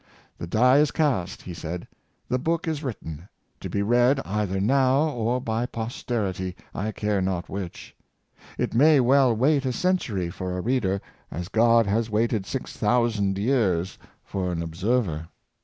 '' The die is cast," he said; " the book is written, to be read either now or by pos terity— I care not which. It may well wait a century for a reader, as God has waited six thousand years for an observer."